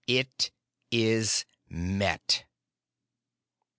it is met!"